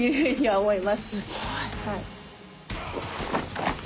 はい。